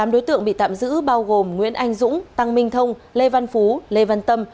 tám đối tượng bị tạm giữ bao gồm nguyễn anh dũng tăng minh thông lê văn phú lê văn tâm